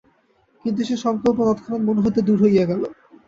কিন্তু সে সংকল্প তৎক্ষণাৎ মন হইতে দূর হইয়া গেল।